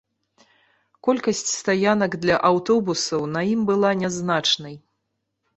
Колькасць стаянак для аўтобусаў на ім была нязначнай.